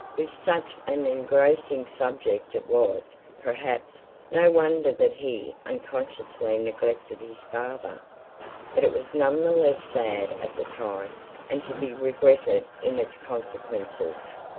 With such an engrossing subject, it was, perhaps, no wonder that he unconsciously neglected his father; but it was none the less sad at the time, and to be regretted in its consequences.